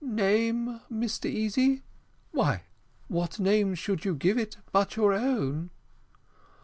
"Name, Mr Easy! why, what name should you give it but your own?"